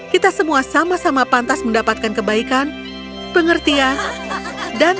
kita semua sama sama pantas mendapatkan kebenaran